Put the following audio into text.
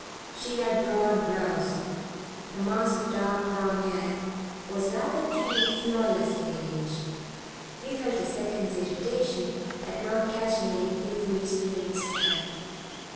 She had broad brows. Her mass of dark brown hair was rather too flawlessly arranged. He felt a second's irritation at not catching any playfully straying strand.